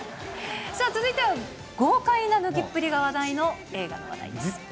続いては豪快な脱ぎっぷりが話題の映画です。